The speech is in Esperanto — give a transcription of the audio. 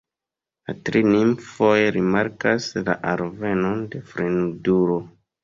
La tri nimfoj rimarkas la alvenon de fremdulo.